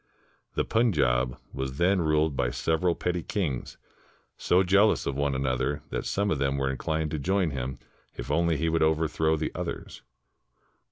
The Punjab was then ruled by several petty kings so jealous of one another that some of them were inclined to join him if only he would overthrow the others.